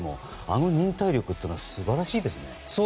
あの忍耐力というのは素晴らしいですね。